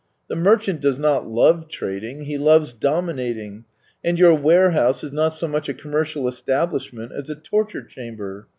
The merchant does not love trading, he loves domin ating, and your warehouse is not so much a com mercial establishment as a torture chamber